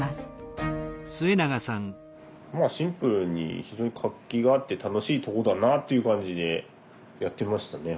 シンプルに非常に活気があって楽しいとこだなという感じでやってましたね。